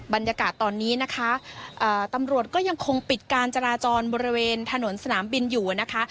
บรรยากาศตอนนี้นะคะตำรวจก็ยังคงปิดการจราจรบริเวณถนนสนามบินอยู่นะคะ